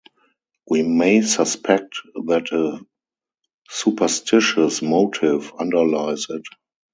We may suspect that a superstitious motive underlies it.